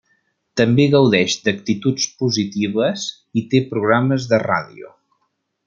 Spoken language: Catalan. També gaudeix d'actituds positives i té programes de ràdio.